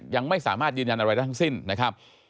ยังไม่สามารถยืนยันอะไรได้ทั้งสิ้นนะครับ